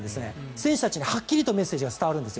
選手たちにはっきりとメッセージが伝わるんです。